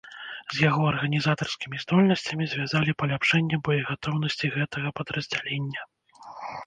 З яго арганізатарскімі здольнасцямі звязвалі паляпшэнне боегатоўнасці гэтага падраздзялення.